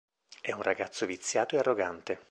È un ragazzo viziato e arrogante.